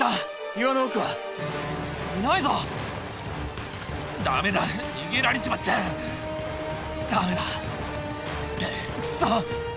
いないぞダメだ逃げられちまったダメだクソッ